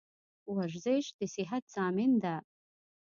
ورزش دصیحت زامین ده